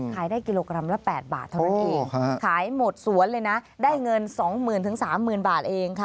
ขายได้กิโลกรัมละ๘บาทเท่านั้นเองขายหมดสวนเลยนะได้เงิน๒๐๐๐๓๐๐บาทเองค่ะ